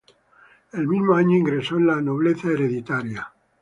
El mismo año, ingresó en la nobleza hereditaria.